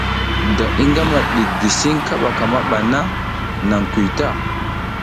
Da i ngama ɗik gisiƞ kaɓa ka mi ɓa na, naƞ kuy ta.